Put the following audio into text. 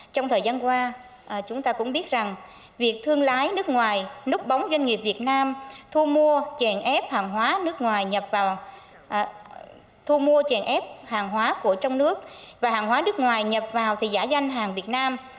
trong thời gian qua chúng ta cũng biết rằng việc thương lái nước ngoài núp bóng doanh nghiệp việt nam thu mua chèn ép hàng hóa của trong nước và hàng hóa nước ngoài nhập vào thì giả danh hàng việt nam